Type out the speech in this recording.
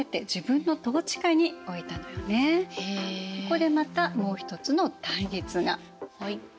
ここでまたもうひとつの対立が。